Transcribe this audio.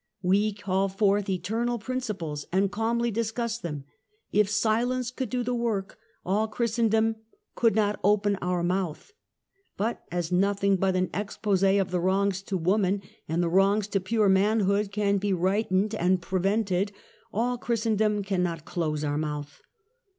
"We call forth eternal principles and calmly discuss them. If silence could do the work, all Christendom could not open our mouth, but as nothing but an expose of the wrongs to woman and the wrongs to pure manhood can be rightened and prevented, all Christendom can not close our mouth.